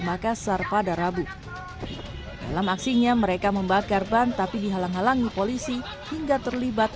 makassar pada rabu dalam aksinya mereka membakar ban tapi dihalang halangi polisi hingga terlibat